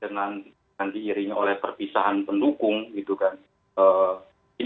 nanti irinya oleh perpisahan pendukung gitu kan